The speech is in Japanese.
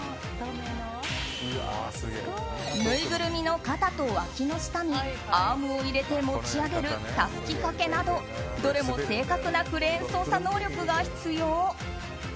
ぬいぐるみの肩とわきの下にアームを入れて持ち上げるたすき掛けなどどれも正確なクレーン操作能力が必要。